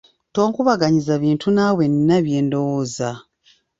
Tonkubaganyiza bintu naawe nnina bye ndowooza.